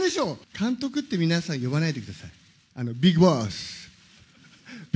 監督って皆さん、呼ばないでください。